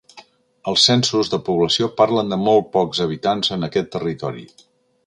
Els censos de població parlen de molt pocs habitants en aquest territori.